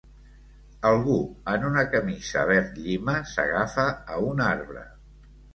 Algú en una camisa verd llima s'agafa a un arbre.